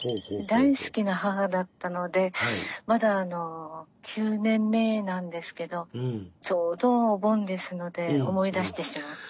大好きな母だったのでまだ９年目なんですけどちょうどお盆ですので思い出してしまって。